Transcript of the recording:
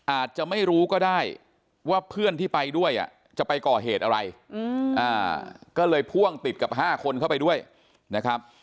อาจจะไม่รู้ก็ได้ว่าเพื่อนที่ไปด้วยจะไปก่อเหตุอะไรก็เลยพ่วงติดกับ๕คนเข้าไปด้วยนะครับ